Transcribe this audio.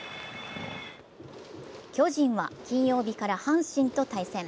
巨人は金曜日から阪神と対戦。